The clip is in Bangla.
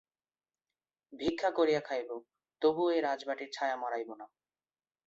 ভিক্ষা করিয়া খাইব, তবুও এ রাজবাটীর ছায়া মাড়াইব না।